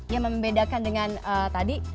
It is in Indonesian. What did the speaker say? yang membedakan dengan tadi